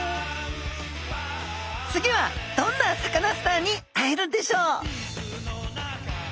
つぎはどんなサカナスターに会えるんでしょう？